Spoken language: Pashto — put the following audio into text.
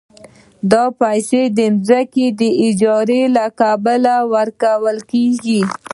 دا پیسې د ځمکې د اجارې له کبله ورکول کېږي